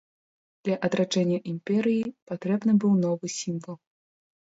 Для адраджэння імперыі патрэбны быў новы сімвал.